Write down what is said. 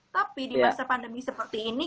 tapi di masa pandemi seperti ini